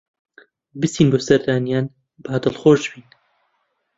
بچین بۆ سەردانیان با دڵخۆش بین